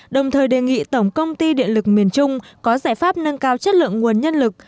đồng thời đề nghị tổng công ty điện lực miền trung có giải pháp nâng cao chất lượng nguồn nhân lực